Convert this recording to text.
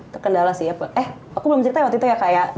terkendala sih ya eh aku belum cerita waktu itu ya kayak